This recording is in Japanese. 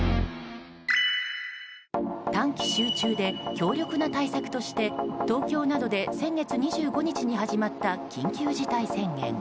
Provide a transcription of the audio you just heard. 短期集中で強力な対策として東京などで先月２５日に始まった緊急事態宣言。